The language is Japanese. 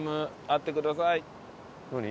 あってください！